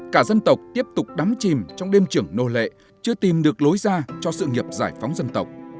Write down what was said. cả dân tộc tiếp tục đắm chìm trong đêm trưởng nô lệ chưa tìm được lối ra cho sự nghiệp giải phóng dân tộc